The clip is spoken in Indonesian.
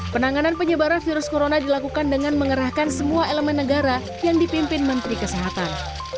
penanganan penyebaran virus corona dilakukan dengan mengerahkan semua elemen negara yang dipimpin menteri kesehatan